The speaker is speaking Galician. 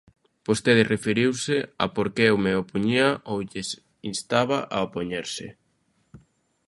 Vostede referiuse a por que eu me opoñía ou lles instaba a opoñerse.